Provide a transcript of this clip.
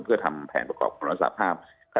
เพื่อทำแพงประกอบของนับประสานทุกหัว